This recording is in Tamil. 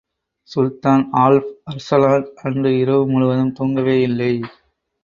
சுல்தான் ஆல்ப் அர்சலான் அன்று இரவு முழுவதும் தூங்கவேயில்லை.